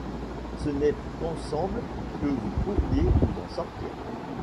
Ce n’est qu’ensemble que vous pourriez vous en sortir.